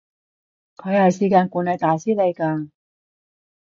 佢係時間管理大師嚟㗎